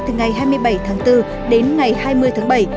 từ ngày hai mươi bảy tháng bốn đến ngày hai mươi tháng bảy